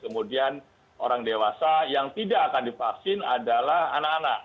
kemudian orang dewasa yang tidak akan divaksin adalah anak anak